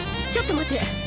ちょっと待って！